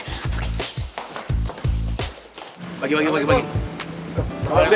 bagi bagi bagi